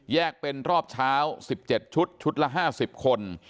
แยกเป็นรอบเช้าสิบเจ็ดชุดชุดละห้าสิบคน